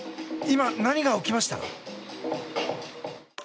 今、何が起きました？